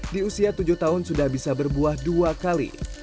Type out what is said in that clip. di usia tujuh tahun sudah bisa berbuah dua kali